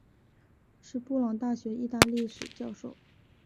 是布朗大学意大利历史教授。